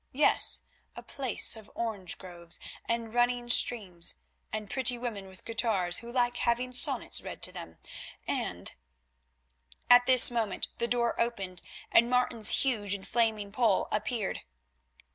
Yes, a place of orange groves, and running streams, and pretty women with guitars, who like having sonnets read to them, and——" At this moment the door opened and Martin's huge and flaming poll appeared.